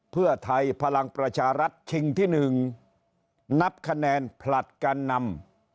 เพื่อไทยพลังประชารัฐชิงที่๑นับคะแนนผลัดการนำ